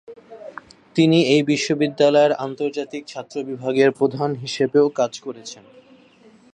তিনি এই বিশ্ববিদ্যালয়ের আন্তর্জাতিক ছাত্র বিভাগের প্রধান হিসাবেও কাজ করেছেন।